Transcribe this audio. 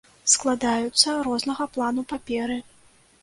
Складаюцца рознага плану паперы.